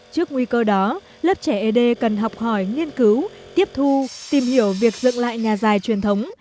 trước nguy cơ đó lớp trẻ ấy đê cần học hỏi nghiên cứu tiếp thu tìm hiểu việc dựng lại nhà dài truyền thống